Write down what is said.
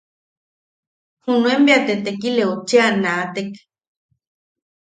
Junuen bea te tekileu cheʼa naatek;.